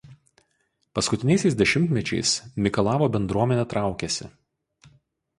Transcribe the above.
Paskutiniaisiais dešimtmečiais Mikalavo bendruomenė traukėsi.